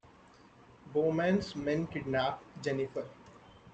Bowman's men kidnap Jennifer.